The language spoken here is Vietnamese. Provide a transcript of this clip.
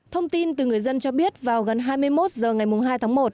thông tin từ người dân cho biết vào gần hai mươi một h ngày hai tháng một